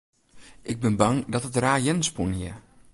Ik bin bang dat it raar jern spûn hie.